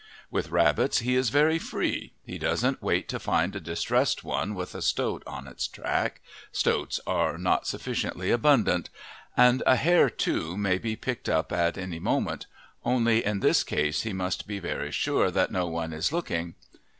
With rabbits he is very free he doesn't wait to find a distressed one with a stoat on its track stoats are not sufficiently abundant; and a hare, too, may be picked up at any moment; only in this case he must be very sure that no one is looking.